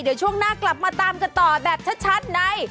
เดี๋ยวช่วงหน้ากลับมาตามกันต่อแบบชัดใน